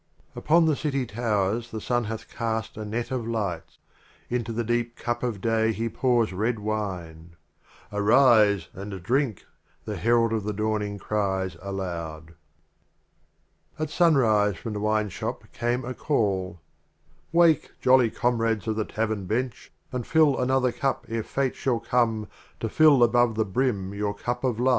4 8 Upon the City Towers the Sun hath The Literal cast a Net of Light; Into the deep Cup of Day he pours Red Wine. "Arise and drink !" The Herald of the Dawning cries aloud. ii. At Sunrise from the Wineshop came a call: "Wake ! jolly Comrades of the Tav ern Bench, And fill another Cup ere Fate shall come To fill above the brim your Cup of Life."